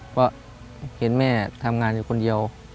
เพราะเห็นแม่ทำงานอยู่คนเดียว